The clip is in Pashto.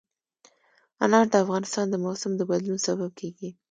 انار د افغانستان د موسم د بدلون سبب کېږي.